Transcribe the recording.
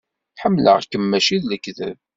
Ḥemmleɣ-kem mačči d lekdeb.